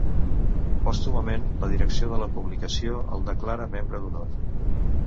Pòstumament, la direcció de la publicació el declara membre d’honor.